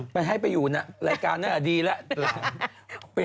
มันให้ไปอยู่นะรายการน่าจะดีแล้ว